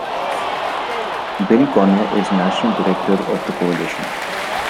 Bill Connor is national director of the coalition.